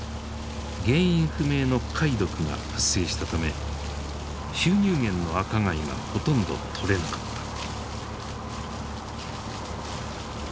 原因不明の貝毒が発生したため収入源の赤貝がほとんど取れなかった。